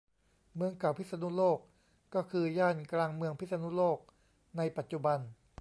เมืองเก่าพิษณุโลกก็คือย่านกลางเมืองพิษณุโลกในปัจจุบัน